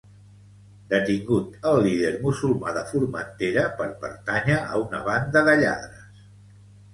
Detingut el líder musulmà de Formentera per pertànyer a una banda de lladres